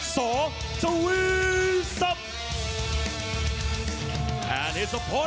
สวัสดีครับ